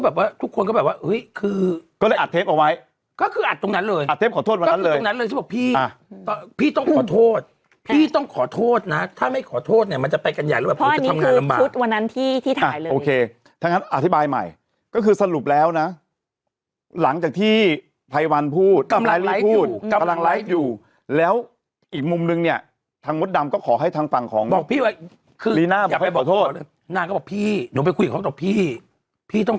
แบบว่าทุกคนก็แบบว่าเฮ้ยคือก็เลยอัดเทปเอาไว้ก็คืออัดตรงนั้นเลยอัดเทปขอโทษวันนั้นเลยก็คือตรงนั้นเลยที่บอกพี่อ่าพี่ต้องขอโทษพี่ต้องขอโทษนะถ้าไม่ขอโทษเนี้ยมันจะไปกันใหญ่แล้วแบบเพราะอันนี้คือทุกวันนั้นที่ที่ถ่ายเลยอ่าโอเคทั้งนั้นอธิบายใหม่ก็คือสรุปแล้วนะหลัง